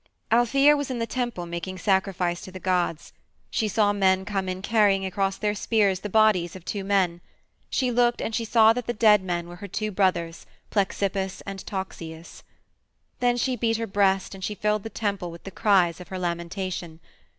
III Althæa was in the temple making sacrifice to the gods. She saw men come in carrying across their spears the bodies of two men. She looked and she saw that the dead men were her two brothers, Plexippus and Toxeus. Then she beat her breast and she filled the temple with the cries of her lamentation.